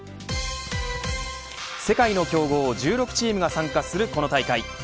世界の強豪１６チームが参加するこの大会。